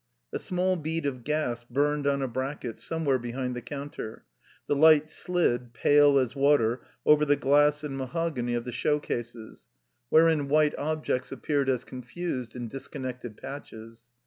A small bead of gas burned on a bracket somewhere behind the cotmter. The light slid, pale as water, over the glass and mahogany of the show cases, wherein white objects appeared as confused and dis connected patches.